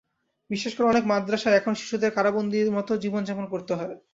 বিশেষ করে, অনেক মাদ্রাসায় এখনো শিশুদের কারাবন্দীর মতো জীবনযাপন করতে হয়।